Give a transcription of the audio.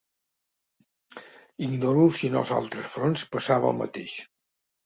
Ignoro si en els altres fronts passava el mateix